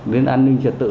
đến an ninh trật tự